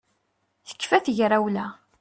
Tekfa tegrawla